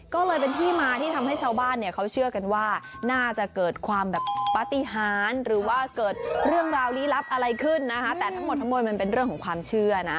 ก็เลยเป็นที่มาที่ทำให้ชาวบ้านเนี่ยเขาเชื่อกันว่าน่าจะเกิดความแบบปฏิหารหรือว่าเกิดเรื่องราวลี้ลับอะไรขึ้นนะคะแต่ทั้งหมดทั้งมวลมันเป็นเรื่องของความเชื่อนะ